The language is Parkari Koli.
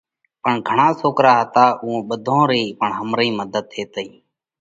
پڻ گھڻا سوڪرا هتا، اُوئون ٻڌون رئِي پڻ همرئيم مڌت ٿيتئي۔